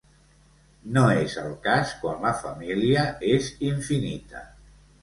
No és el cas quan la família és infinita.